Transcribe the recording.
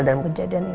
tidak tahu siapa